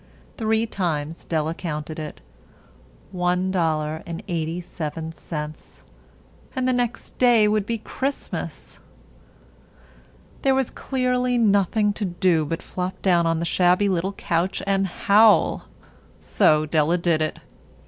Three times Della counted it. One dollar and eighty seven cents. And the next day would be Christmas. There was clearly nothing to do but flop down on the shabby little couch and howl. So Della did it.